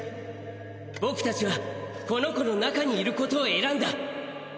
僕達はこの子の中にいる事を選んだ。